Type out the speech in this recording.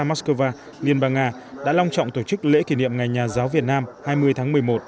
mắc cơ va liên bang nga đã long trọng tổ chức lễ kỷ niệm ngày nhà giáo việt nam hai mươi tháng một mươi một